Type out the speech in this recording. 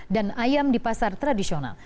dan ayam di pasar tradisional